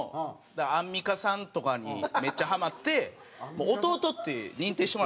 アンミカさんとかにめっちゃハマって弟って認定してもらったんですよ